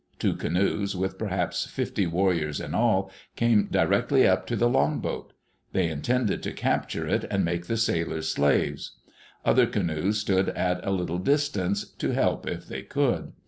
Two canoes, with per haps fifty warriors in all, came directly up to the long boat. They intended to capture it, and make the sailors slaves. Other canoes stood at a little distance, to help if they could.